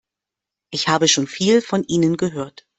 Ich habe schon viel von Ihnen gehört.